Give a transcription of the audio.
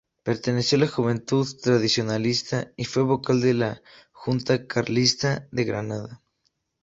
Perteneció a la Juventud Tradicionalista y fue vocal de la Junta carlista de Granada.